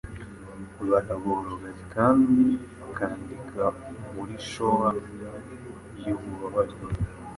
Baraboroga kandi bakandika muri showa yububabare,